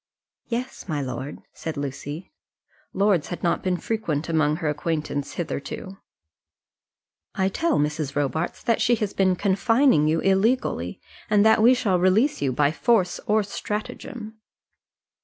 "Yes, my lord," said Lucy. Lords had not been frequent among her acquaintance hitherto. "I tell Mrs. Robarts that she has been confining you illegally, and that we shall release you by force or stratagem."